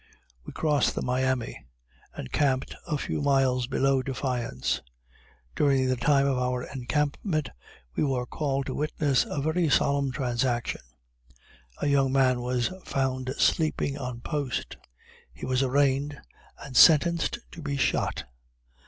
We crossed the Miami, and camped a few miles below Defiance. During the time of our encampment we were called to witness a very solemn transaction. A young man was found sleeping on post he was arraigned and sentenced to be shot.